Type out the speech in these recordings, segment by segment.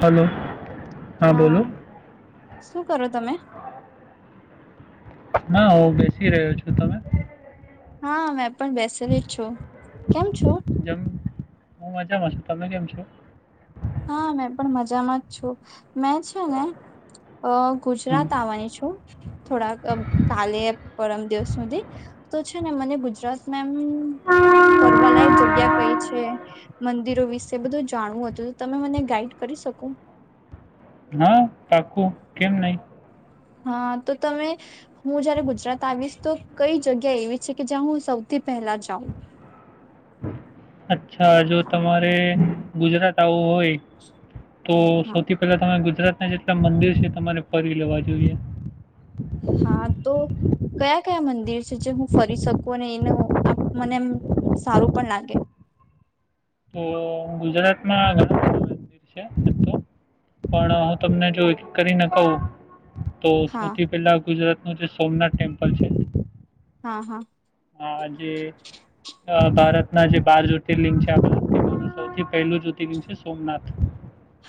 Hello હા! શું કરો તમે? ના હું બેસી રહ્યો છું. તમે? હા. પણ બેસેલી જ છો. કેમ છો? જમ [unintelligible] તમે કેમ છો હા મેં પણ મજામાં જ છું. મેં છે ને અ હમ. ગુજરાત આવવાની છું. થોડાક કાલે પરમ દિવસ. સુધી તો છે ને મને ગુજરાત. હમ ફરવાલાયક જગ્યા કઈ છે? મંદિરો વિશે બધું જાણવું હતું. તમે મને ગાઈડ કરી શકો. હા પાક્કુ. કેમ નહી. હા તો તમે હું જયારે ગુજરાત આવીશ તો કઈ જગ્યા એવી છે કે જ્યાં હું સૌથી પહેલા જાઉં? અચ્છા જો તમારે ગુજરાત આવું હોય. તો હા સૌથી પહેલા તમે. ગુજરાતના જેટલા મંદિર છે તમારે ફરી લેવા જોઈએ. હા તો કયા કયા મંદિર છે જે હું ફરી શકું અને એનું મને એમ સારું પણ લાગે તો ગુજરાતમાં મિ છે પણ હું તમને જો કરીને કું તો હા સૌથી પહેલા ગુજરાત ન જે સોમનાથ ટેમ્પલ છે હા હા હાજ ભારતના જે બાર જ્યોતિર્લિંગ છે આ ભારતંગોનું સૌથી પહેલું જ્યોતિર્લિંગ છે સોમનાથ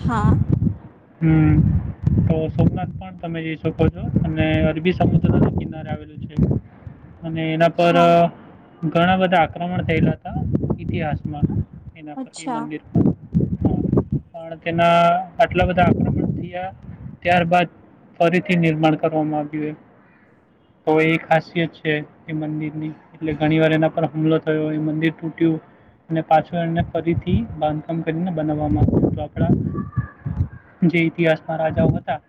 હા હમ તો સોમનાથ પણ તમે જઈ શકો છો અને અરબી સમુદ્ર ના કિનારે આવેલું છે અને પર હા ઘણા બધા આક્રમણ થયેલા હતા ઇતિહાસમાં એના પરકી અચ્છા મંદિર પણ તેના આટલા બધા આક્રમણ થયા ત્યારબાદ ફરીથી નિર્માણ કરવામાં આવ્યું તો એ ખાસિયત છે મન એટલે ઘણી વાર એના પર હુમલો થયો એ મંદિર તૂટ્યું અને પાછ એને ફરીથી બાંધકામ કરીને બનાવવામાં આવ્યું તો આપણા જે ઈતિહાસ ના રાજાઓ હતા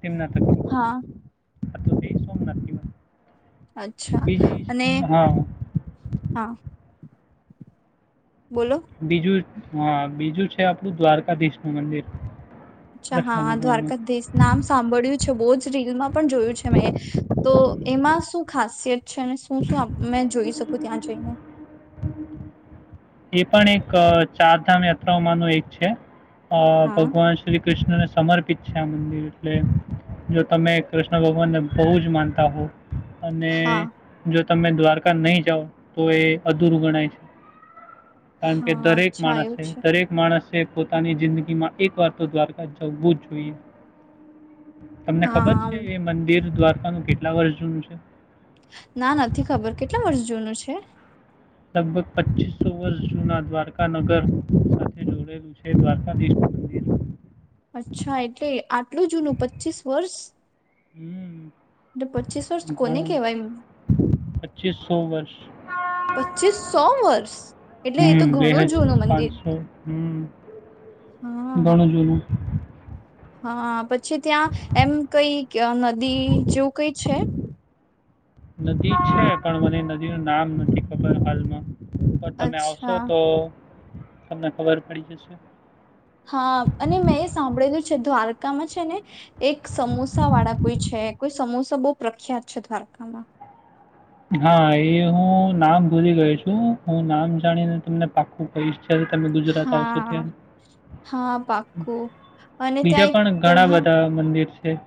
તેમના ત હા અ તો બેસ નથીવા અચ્છા અને હા બોલો બીજું હા બીજું છે આપણું દ્વારકાધીશ નું મંદિર અચ્છા કૃષ્ણ હા ભગવાનનું દ્વારકાધીશ નામ સાંભળ્યું છે બહુ જ રીલમાં પણ જોયું છે મેં તો એમાં શું ખાસ [unintelligible] છે અને શું શું મેં જોઈ શકું ત્યાં જઈને, એ પણ એક ચારધામ યાત્રાઓમાં ન એક છે, અ હા ભગવાન શ્રી કૃષ્ણને સમર્પિત ા મંદિર એટલે જો તમે કૃષ્ણ ભગવાનને બહુ જ માનતા હો અને હા જો તમે દ્વારકા નહી જાાવ તો એ અધૂરું ગણાય છે, કારણ કે હા દરેક અચ્છા એવું માણસે છે દરેક માણસ પોતાની જિંદગીમાં એક વાર તો દ્વારકા જવું જ જોઈએ, તમને ખબર હા છે, એ મંદિર દ્વારા કેટલા વર્ષ જનું છે, ના નથી ખબર કેટલા વર્ષ જૂનું છે? લગભગ પચીસો વર્ષ જૂના દ્વારકા નગર સાથે જોડેલું છે, દ્વારકાધીશ મંદિર અચ્છા એટલે આટલું જૂનું પચીસ વર્ષ હમ્મ એટલે પચીસ વર્ષ કોને કહેવાય પચીસો વર્ષ પચીસ સો વર્ષ એટલે એ તો હમ બે ઘણું હજાર જૂનું મંદિર હા ગણ જોનું હા પછી ત્યાં એમ કઈ નદી જેવું કઈ છે, નદી છે, પણ મને નદી ન નામ નથી ખબર હાલમાં પણ તમે આવશો અચ્છા તો તમને ખબર પડી જશે, હા અને મેં એ સાંભળેલું છે [unintelligible] એક સમોસા વાળા કોઈ છે, કોઈ સમોસા બહુ પ્રખ્યાત છે, દ્વારકામાં હા એ હું નામ ભૂલી ગયો છું, હું નામ જાણીને તમને પાકું કહીશ, જ્યારે તમે ગુજરાત આવશો હા ત્યાં હા પાક્કું અને ત્યાં બીજા એક પણ ઘણા પોહા બધા મંદિર છે, એક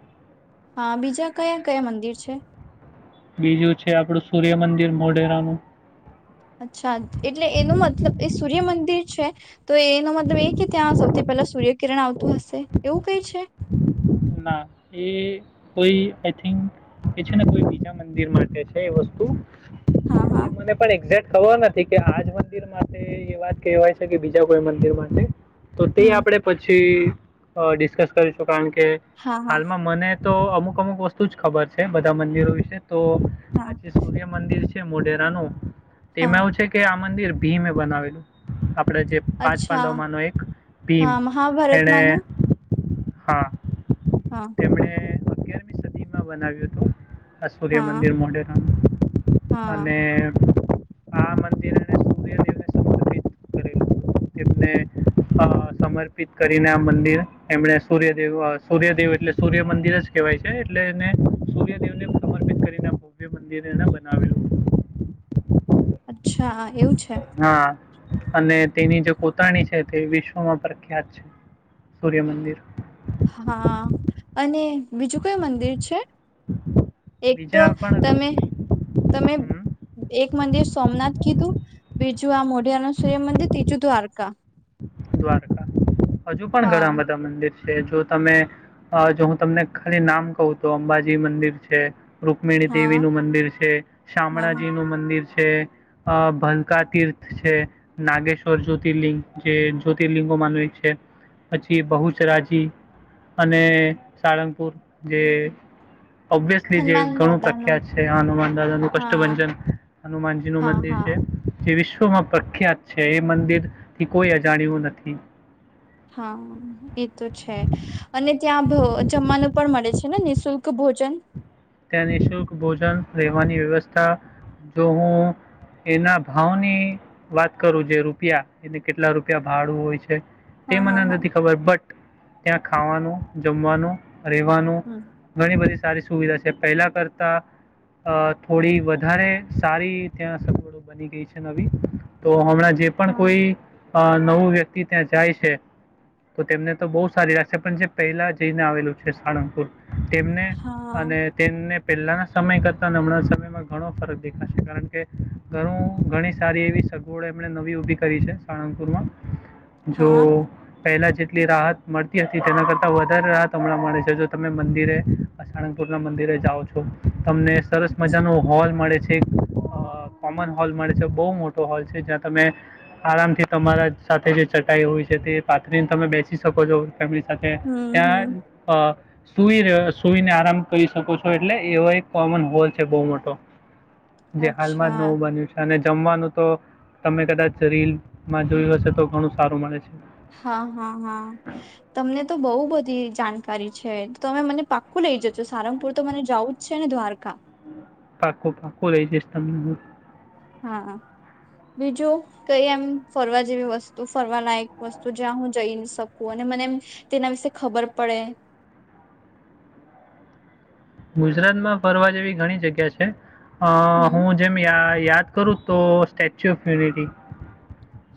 હા બીજા કયા કયા મંદિર છે, બીજું છે, આપણું સૂર્યમંદિર મોઢેરાનુંું અચ્છા એટલે એનો મતલબ એ સૂર્ય મંદિર છે તો એનો મતલબ એ કે ત્યાં થી પેલા સૂર્ય કિરણ આવતું હશે એવું કઈ છે, ના એ કોઈ આઈિક એ છે ને કોઈ બીજા મંદિર માટે છે, એ વસ્તુ હા એ હા મને પણ એક્ઝે્ટ ખબર નથી કે આજ મંદિર માટે એ વાત કહેવાય છે, કે બીજા કોઈ મંદિર માટે તો તે હમ આપડે પછી ડિસ્કસ કરીશું કારણ કે હા હા હાલમાં મને તો અમુક અમુક વસ્તુ જ ખબર છે બધા મંદિરો વિશે તો હા જે સૂર્ય મંદિર છે મોઢેરા નુ તેમાં હા એવું છે કે આ મંદિર ભી મે બનાવેલું આપણે જે પાંચ અચ્છા પાંડવમાંનો એક ભીમ હા તેણે મહાભારતમાંનું હા હા તેમણે અગિયારમી સદી માં બનાવ્યું હતું આશ્વર્ય હા મંદિર મોઢેરાનું હા અને આ મંદિરને સૂર્યદેવને સમર્પિત કર એને સમર્પિત કરીને આ મંદિર એમને સૂર્યદેવ સૂર્યદેવ એટલે સૂર્ય મંદિર જ કેહેવાય છે એટલે એને સૂર્યદેવને સમર્પિત કરીને ભવ્ય મંદિર એને બનાવેલું અચ્છા એવું છે હા અને તેની જે પોતાણી છે તે વિશ્વમાં પ્રખ્યાત છે સૂર્યમંદિર હા અને બીજું કયું મંદિર છે એક તો બીજા પણ તમે તમે હમ એક મંદિર સોમનાથ કીધું બીજું આ મોટ મોઢેરાનું સૂર્યમંદિર ત્રીજું દ્વારકા દ્વારકા હજુ પણ ઘણા હા બધા મંદિર જો તમે જો હું તમને ખાલી નામ કહું તો અંબાજી મંદિર છે રુકમિણી હા દેવી નું મંદિર છે હા શામળાજી નું મંદિર છે છે ભલકા તીર્થ છે નાગેશ્વર જ્યોતિર્લિંગ જે જ્યોતિર્લિંગો માનું એક છે પછી બહુચરાજી અને સાળંગપુર જે ઓબ્િસલી જે હનુમાન ઘણું દાદાનું પ્રખ્યાત છે હનુમાન દાદા નું હા કષ્ટભંજન હનુમાનજી નું હા મંદિર હા છે જે વિશ્વ પ્રખ્યાત છે એ મંદિર કી કોઈ જાણ્યું નથી હા એ તો છે અને ત્યાં ભ જમવાનું પણ મળે નિઃશુલ્ક ભોજન ત્યાં નિઃશુલ્ક ભોજન રહેેવાની વ્યવસ્થા જો હું એના ભાવની વાત કરું જે રૂપિયા એને કેટલા રૂપિયા ભાડું હોય છે તે હા હા મને હા નથી ખબર બટ ત્યાં ખાવાનું જમવાનું રહેવાનું હમ ઘણી બધી સારી સુવિધા છે પહેલા કરતા થોડી વધારે સારી ત્યાં સગવડો બની ગઈ છે નવી તો હમણાં જે પણ હા કોઈ અ નવું વ્યક્તિ ત્યાં જાય છે. તો તેમને તો બઉ સારી લાગશે. પણ જે પહેલા જઈને આવેલું છે સાળંગપુર તેમને હા અને ને પહેલાના સમય કરતા નમણાં સમયમાં ઘણો ફરક દેખાશે. કારણ કે ઘણું ઘણી સારી એવી સગવડ એમણે નવી ઉભી કરી છે. સાળંગપુરમાં જો હા પહેલા જેટલી રાહત મળતી હતી. તેના કરતા વધારે રાહત હમણાં મળે છે. જો તમે મંદિરે અ સાળંગપુરના મંદિ રે જાઓ છો તમને સરસ મજાનો હોલ મળે છે. અ કોમન હોલ મળે છે. બઉ મોટો હોલ છે જ્યાં તમે આરામથી તમારા સાથે જે ચટાઈ હોય છે. તે પાથરીન તમે બેસી શકો છો. તમે સાથે હમ હમ ત્યાં અ સુઈ રહ્યો. સુઈને આરામ કરીશ શકું છું. એટલે એવો એક કોમન હોલ છે બઉ મોટો જે હાલમાં જ અચ્છા નવું બન્યું છે અને જમવાનું તો તમે કદાચ રીલમાં જોયું હશે તો ઘણું સારું મલે છે. હા હા હા કારી છે. તો તમે મને પાક્કું લઈ જજો સારંગપુર તો મને જવું જ છે ને દ્વારકા. પાકુ પાકુ લઈ જઈશ તમને હું. હા બીજું કઈ એમ ફરવા જેવી વસ્તુ ફરવા લાયક વસ્તુ જ્યાં હું જઈ શકું અને મને એમ તેના વિશે ખબર પડે. ગુજરાતમાં ફરવા જેવી ઘણી જગ્યા છે. અ હમ હું જેમ યા યાદ કરું તો સ્ટેચ્યુ ઓફ યુનિટી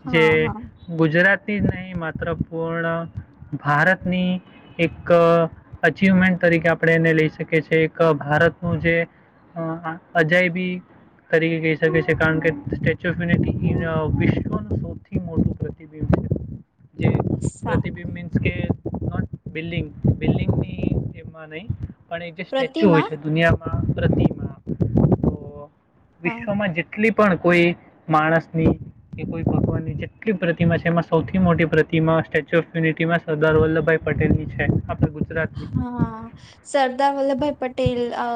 હા જે હા ગુજરાત જ નહીં માત્ર પૂર્ણ ભારતની એક અચિવમેન્ટ તરીકે આપણે એને લઈ શકીએ છીએ. એક ભારતનું જે અજાયબી તરીકે કહી શકીએ છીએ. કારણ કે સ્ટેચ્યુ ઓફ યુનિટી ઇન વિશ્વ શ્વનું સૌથી મોટુ પ્રતિબિંબ છે. જે સા પ્રતિબિબ મીન્સ કે [inaudible] બિલ્ડિંગ બિલ્ડિંગની એમાં નહી પણ એ જે સ્ટેચ્યુ હોય પ્રતિમા છે દુનિયા પ્રતિમા તો હા વિશ્વમાં જેટલી પણ, કોઈ માણસની કે કોઈ ભગવાનની જેટલી પ્રતિમા છે. એમાં સૌથી મોટી પ્રતિમા સ્ટેચ્યુ ઓફ યુનિટીમાં સરદાર વલ્લભભાઈ પટેલની છે. આપણા ગુજરાતની હા, સરદાર વલ્લભભાઈ પટેલ અ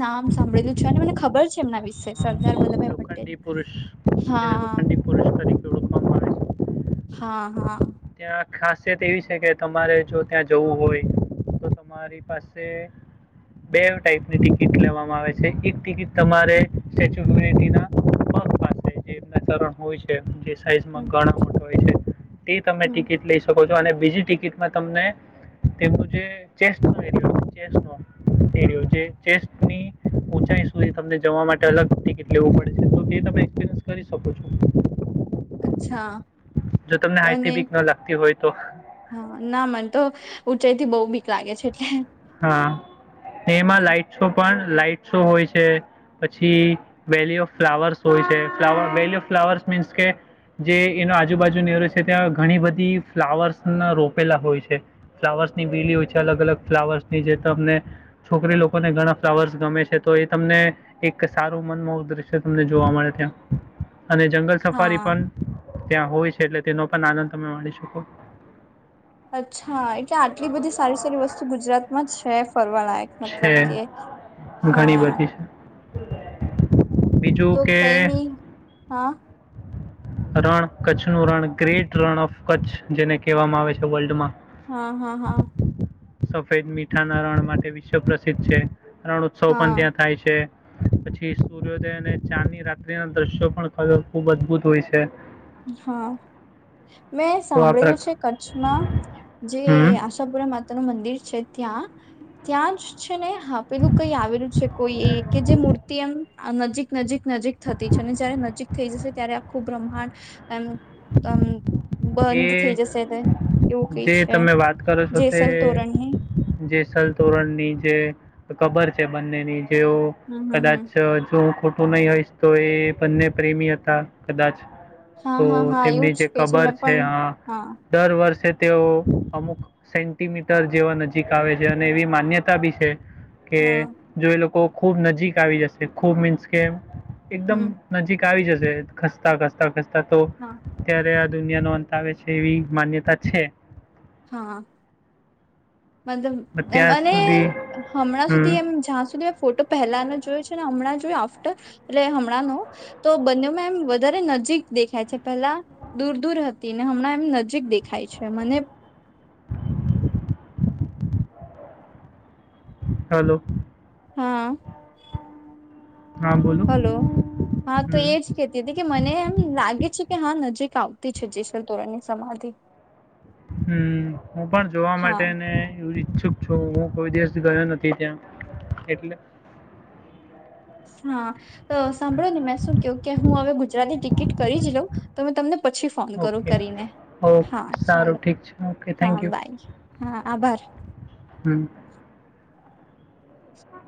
નામ સાંભળેલું છે. અને મને ખબર છે એમના વિશે સરદાર વલ્લભભાઈ પટેલ. લોખંડી પુરુષ તેને હા લોખંડી પુરુષ તરીકે ઓળખવામાં આવે હા હા છે ત્યાં ખાસિયત એવી છે કે તમારે જો ત્યાં જવું હોય તો, તમારી પાસે બે ટાઈપની ટિક ટિકિટ લેવામાં આવે છે. એક ટિકિટ તમારે સ્ટેચ્યુ ઓફ યુનિટીના પગ પાસે જે એમના ચરણ હોય છે જે સાઈઝમાં હમ ઘણા મોટ હોય છે. તે તમે હમ ટિકિટ લઈ શકો તો અને બીજી ટિકિટમાં તમને તેમનું જે ચેસ્ટનો એરીઓ જે ચેસ્ટનો એરીઓ જે ચેસ ઉંચાઈ સુધી તમને જવા માટે અલગ ટિકિટ લેવું પડે છે. તો તે તમે એપસ કરી શકો છો અચ્છા. જો તમને તો હાઈટથી અને બીક ન લાગતી હોય તો હા ના મન તો ઊંચાઈ થી બહુ બીક લાગે છે એટલે હા! હા એમાં લાઈટ શો પણ. લાાઈટસો હોય છે. પછી વેલી ઓફ ફ્લાવર્સ હોય છે. ફ્લાવ વેલી ઓફ ફ્લાવર્સ મીન્સ કે જે એનો આજુબાજુ નીરો છે. ત્યાં ઘણી બધી ફ્લાવર્સના રોપેલા હોય છે. ફ્લાવર્સની બીલી હોય છે. અલગ અલગ ફ્લાવર્સ ની જે તમને છોકરી લોકોને ઘણા ફ્લાવર્સ ગમે છે તો એ તમને એક સારું મનમોહક દ્રશ્ય તમને જોવા મળે ત્યાં અને જંગલ સફારી હા પણ. ત્યાં હોય છે. એટલે તેનો પણ આનંદ તમે મળી શકો. અચ્છા! એટલે આટલી બધી સારી સારી વસ્તુ ગુજરાત. [unintelligible] છે ઘણી [unintelligible] બધી [inaudible] બીજું તો કે કઈ નહિ. હા રણ કચ્છ નું રણ ગ્રેટ રણ ઓફ કચ્છ જેને કહેવામાં આવે છે વર્લ્ડ માં. હા હા હા! સફેદ મીઠાના રણ માટે વિશ્વ પ્રસિદ્ધ છે રણ ઉત્સવ પણ હા ત્યાં થાય છે પછી સૂર્યોદયને ચાની રાત્રિના દ્રશ્યો પણ ક્યો ખુબ અદભૂત હોય છે હા મેં તો આ સાંભળ્યું પ્રક છે કચ્છમાં જે હમ આશાપુરા મા તાનું મંદિર છે ત્યાં ત્યાં જ છે ને હા પેલું કઈ આવેલું છે કોઈ એ કે જે મૂર્તિ એમ નજીક નજીક નજીક થતી છે ને જયારે નજીક થઈ જશે ત્યારે આખું બ્રહ્માંડ હ [inaudible] એમ અમ એ કઈ જે છે તમે વાત કરો છો તે જેસલ તોરણની જેસલતોરણની જે તો ખબર છે બંને ની તેવું હમ હમ કદાચ હમ જ ખો ટુ નહી હોયશ તો એ બંને પ્રેમી હતા કદાચ હા તો હા હા એવું તેમની જે જ કે કબર મેં છે પણ હા દર વર્ષે તેઓ અમુક સેન્ટીમીટર જેવા નજીક આવે છે અને એવી માન્યતા બી છે હા કે જો એ લોકો ખૂબ નજીક આવી જશે ખૂબ મીન્સ કે એકદમ હમ નજીક આવી જશે ખસતા ખસતા ખસ તા તો હા ત્યારે આ દુનિયાનો અંત આવે છે એવી માન્યતા છે. હા પણ મતલબ એમ ત્યાં અને સુધી હમણાં હમ સુધી એમ જ્યાં સુધી ફોટો પહેલાનો જોયો છે ને હમણાં જોય આફ્ટર હમણાંનો તો બંનેમાં એમ વધારે નજીક દેખાય છે પહેલા દૂર દૂર હતી ને હમણાં એમ નજીક દેખાય છે મને હલો હા હા બોલો હલો હા તો હમ એજ કેતી હતી કે મને એમ લાગે છે. કે હા નજીક આવતી છે જેસલ તોરણની સમાધી હમ હું પણ જોવા માટેને એવી છુક છો હું કોઈ દિવસ ગયો નથી ત્યાં એટલે હા તો સાંભળોને મેં શું કહ્યું કે હું હવે ગુજરાતી ટિકિટ કરી જ લઉં તો મેં તમને પછી ફોન કરું ઓકે કરીને હા ઓકે સારું ચાલો ઠીક છે ઓકે હા થેન્ક યુ બાય હા આભાર હમ